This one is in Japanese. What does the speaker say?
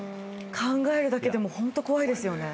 考えるだけでもホント怖いですよね。